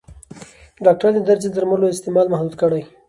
ډاکټران د درد ضد درملو استعمال محدود کړی.